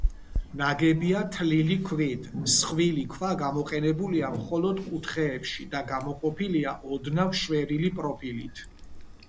ნაგებია თლილი ქვით, მსხვილი ქვა გამოყენებულია მხოლოდ კუთხეებში და გამოყოფილია ოდნავ შვერილი პროფილით.